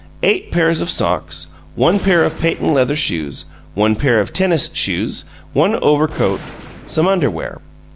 Eight pairs of socks. One pair of patent leather shoes. One pair of tennis shoes. One overcoat. Some underwear.